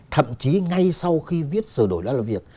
thậm chí ngay sau khi viết sửa đổi lối làm việc